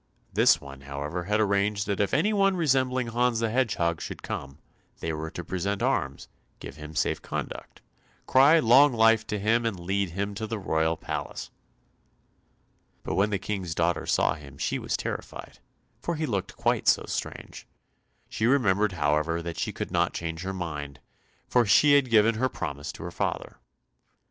This one, however, had arranged that if any one resembling Hans the Hedgehog should come, they were to present arms, give him safe conduct, cry long life to him, and lead him to the royal palace. But when the King's daughter saw him she was terrified, for he looked quite too strange. She remembered however, that she could not change her mind, for she had given her promise to her father.